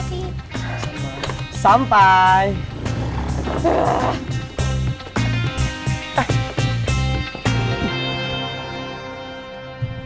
kalian ngapain kesini